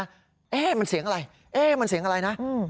เอ๊ะมันเสียงอะไรเอ๊ะมันเสียงอะไรนะ